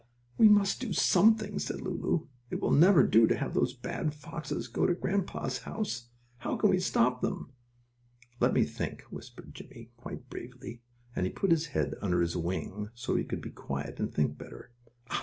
"We must do something," said Lulu. "It will never do to have those bad foxes go to grandpa's house! How can we stop them?" "Let me think," whispered Jimmie, quite bravely, and he put his head under his wing, so he could be quiet and think better.